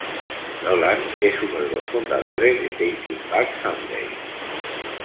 Nolan es uno de los fundadores de Taking Back Sunday.